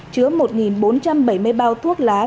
chứa một bốn trăm bảy mươi bao thuốc lá